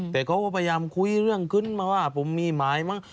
แต่เขาก็พยายามคุยเรื่องขึ้นมาว่าผมมีหมายมั้ง